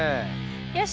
よし。